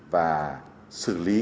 và xử lý